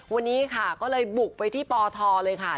วันนี้ค่ะก็เลยบุกไปที่ปทเลยค่ะ